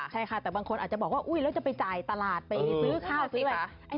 ใช่ค่ะแต่บางคนอาจจะบอกว่าอุ๊ยแล้วจะไปจ่ายตลาดไปซื้อข้าวซื้ออะไร